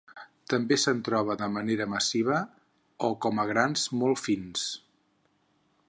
També se'n troba de manera massiva o com a grans molt fins.